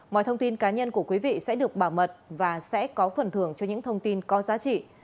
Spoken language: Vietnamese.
mọi thông tin cá nhân của quý vị sẽ được bảo mật và sẽ có phần thưởng cho những thông tin có giá trị